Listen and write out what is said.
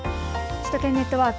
首都圏ネットワーク。